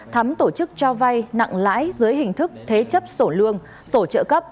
thắm tổ chức cho vay nặng lãi dưới hình thức thế chấp sổ lương sổ trợ cấp